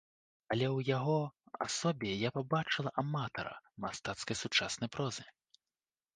Але ў яго асобе я пабачыла аматара мастацкай сучаснай прозы.